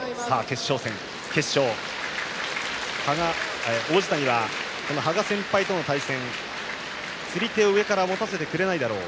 決勝、王子谷は羽賀先輩との対戦釣り手を上から持たせてくれないだろう。